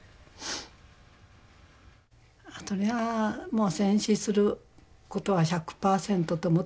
そりゃあもう戦死することは１００％と思ってますね。